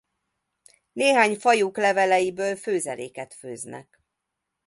Néhány fajuk leveleiből főzeléket főznek.